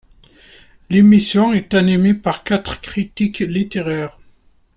L'émission est animée par quatre critiques littéraires.